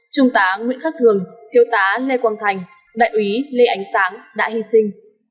trung tá nguyễn khắc thường thiếu tá lê quang thành đại úy lê ánh sáng đã hy sinh